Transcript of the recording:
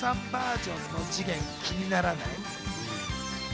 バージョンの次元、気にならない？